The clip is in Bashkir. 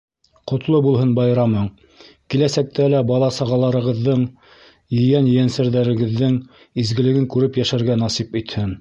Ҡотло булһын байрамың, Киләсәктә лә бала-сағаларығыҙҙың, ейән-ейәнсәрҙәрегеҙҙең изгелеген күреп йәшәргә насип итһен.